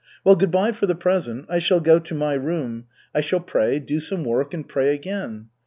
Well, good by for the present. I shall go to my room. I shall pray, do some work and pray again.